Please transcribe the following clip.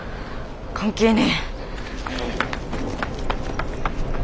関係ねえ。